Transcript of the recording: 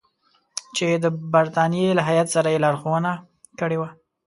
چې د برټانیې له هیات سره یې لارښوونه کړې وه.